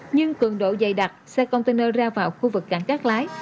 nhưng cường độ dày đặc xe container ra vào khu vực cảng cát lái